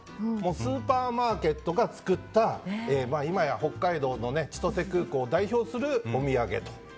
スーパーマーケットが作った今や北海道の千歳空港を代表するお土産と。